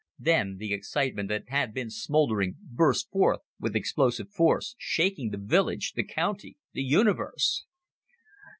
Then the excitement that had been smoldering burst forth with explosive force, shaking the village, the county, the universe.